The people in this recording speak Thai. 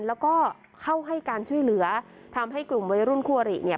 แล้วก็เข้าให้การช่วยเหลือทำให้กลุ่มวัยรุ่นคู่อริเนี่ย